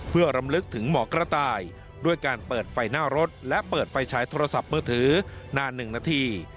เพื่อรำลึกถึงหมอกระต่ายด้วยการเปิดไฟหน้ารถและเปิดไฟฉายโทรศัพท์มือถือนาน๑นาที